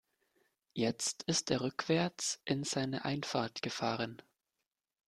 Jetzt ist er rückwärts in seine Einfahrt gefahren.